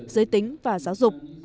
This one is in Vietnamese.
giới tính và giáo dục